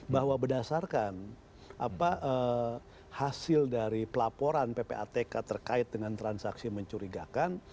bahwa berdasarkan hasil dari pelaporan ppatk terkait dengan transaksi mencurigakan